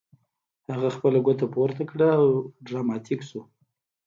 هغه خپله ګوته پورته کړه او ډراماتیک شو